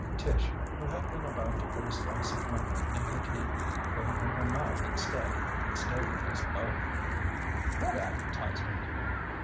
Tish, who had been about to put a slice of lemon in her tea, put it in her mouth instead and stared at us both. "What advertisement?"